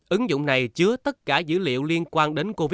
ứng dụng này chứa tất cả dữ liệu liên quan đến covid